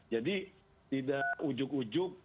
jadi tidak ujug ujug